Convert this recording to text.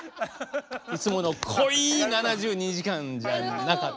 いつもの濃い「７２時間」じゃなかった。